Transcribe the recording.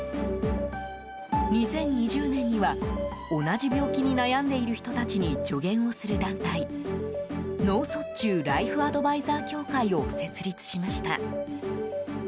２０２０年には同じ病気に悩んでいる人たちに助言をする団体脳卒中ライフアドバイザー協会を設立しました。